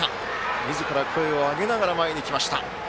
みずから声を上げながら前に来ました。